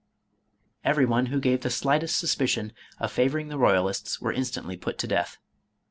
Every one who gave the slightest suspicion of favoring the royalists were instantly put to death.